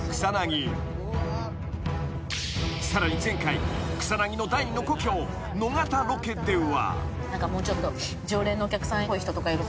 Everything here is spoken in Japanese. ［さらに前回草薙の第二の故郷野方ロケでは］